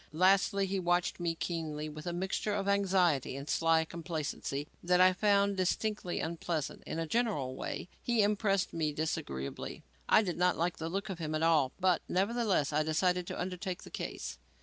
Lastly, he watched me keenly with a mixture of anxiety and sly complacency that I found distinctly unpleasant. In a general way, he impressed me disagreeably. I did not like the look of him at all; but nevertheless I decided to undertake the case.